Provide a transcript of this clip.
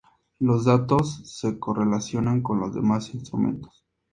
Los datos se correlacionan con los demás instrumentos.